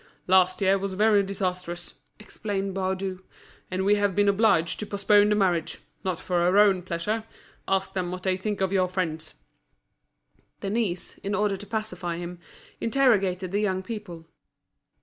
"Last year was very disastrous," explained Baudu, "and we have been obliged to postpone the marriage, not for our own pleasure; ask them what they think of your friends." Denise, in order to pacify him, interrogated the young people.